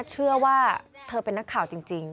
เชื่อว่าเธอเป็นนักข่าวจริง